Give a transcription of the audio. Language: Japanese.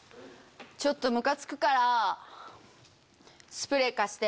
ちょっとムカつくからスプレー貸して。